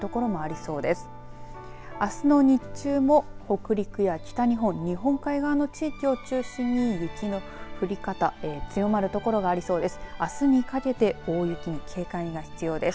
あすの日中も北陸や北日本日本海側の地域を中心に雪の降り方強まる所がありそうです。